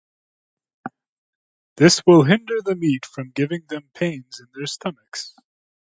This will hinder the meat from giving them pains in their stomachs.